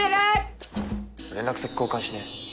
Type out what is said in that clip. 連絡先交換しねえ？